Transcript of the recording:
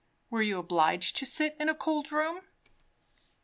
"Were you obliged to sit in a cold room?"